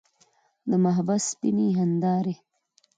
د محبس سپینې هندارې.